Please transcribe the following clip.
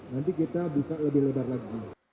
nanti kita buka lebih lebar lagi